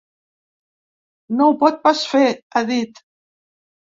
No ho pot pas fer, ha dit.